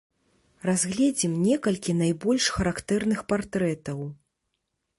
Разгледзім некалькі найбольш характэрных партрэтаў.